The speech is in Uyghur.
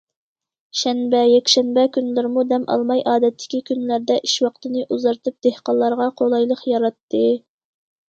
شەنبە، يەكشەنبە كۈنلىرىمۇ دەم ئالماي، ئادەتتىكى كۈنلەردە ئىش ۋاقتىنى ئۇزارتىپ، دېھقانلارغا قولايلىق ياراتتى.